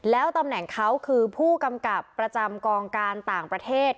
แล้วตำแหน่งเขาคือผู้กำกับประจำกองการต่างประเทศ